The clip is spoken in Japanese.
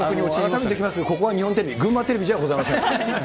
改めて言いますけど、ここは日本テレビ、群馬テレビじゃございません。